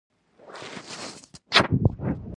د ماشومانو روزنه د ټولنې پرمختګ سبب ګرځي.